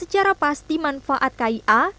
secara pasti manfaat kia